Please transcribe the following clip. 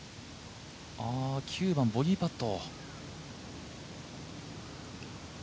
９番、ボギーパット。